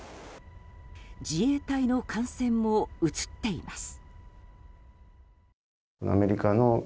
自衛隊の艦船も映っています。